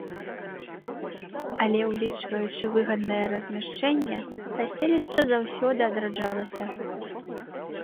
Але, улічваючы выгаднае размяшчэнне, паселішча заўсёды адраджалася.